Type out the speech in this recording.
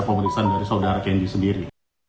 pemeriksaan dari saudara kendi sendiri